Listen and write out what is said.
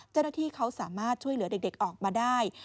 เจ้าหน้าที่เขาสามารถช่วยเหลือเด็กออกมาได้